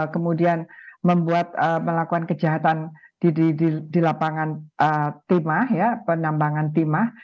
kemudian membuat melakukan kejahatan di lapangan timah ya penambangan timah